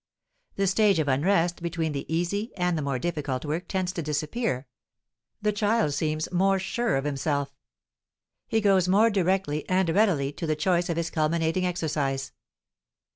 The stage of unrest between the easy and the more difficult work tends to disappear; the child seems more sure of himself; he goes more directly and readily to the choice of his culminating exercise.